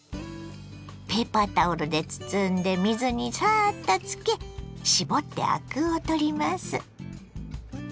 ペーパータオルで包んで水にサッとつけ絞ってアクを取ります。